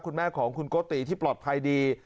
คุณแม่ของคุณโกติที่ปลอดภัยดี